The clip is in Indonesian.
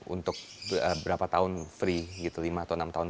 untuk berapa tahun free gitu lima atau enam tahun